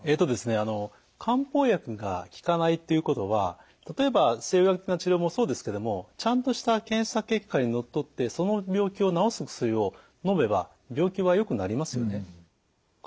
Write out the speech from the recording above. あの漢方薬が効かないということは例えば西洋医学的な治療もそうですけどもちゃんとした検査結果にのっとってその病気を治す薬をのめば病気はよくなりますよね。